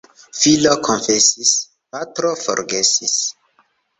Filo konfesis, patro forgesis.